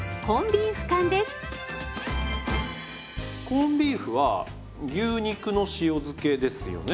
コンビーフは牛肉の塩漬けですよね？